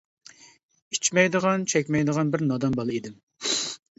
ئىچمەيدىغان چەكمەيدىغان بىر نادان بالا ئىدىم.